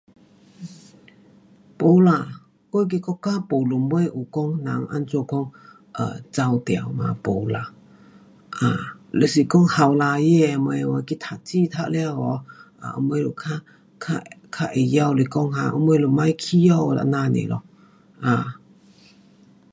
没啦，我他们国家没什么有讲人怎样讲，呃，跑掉啦，没啦，啊，若是讲年轻人什么喔去读书读了，后尾就较较较会晓来讲啊，后尾就甭回家了。这样尔咯。